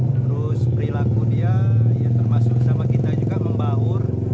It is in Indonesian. terus perilaku dia ya termasuk sama kita juga membaur